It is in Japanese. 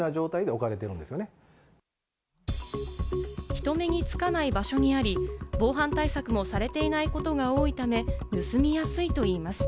人目につかない場所にあり、防犯対策もされていないことが多いため、盗みやすいといいます。